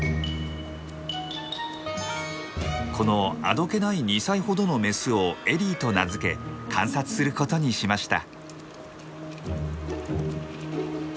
このあどけない２歳ほどのメスを「エリー」と名付け観察することにしました。